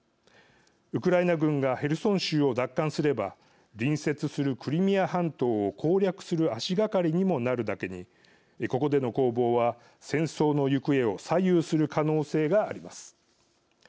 ウクライナ軍がヘルソン州を奪還すれば隣接するクリミア半島を攻略する足がかりにもなるだけにここでの攻防は戦争の行方を左右する可能性があります。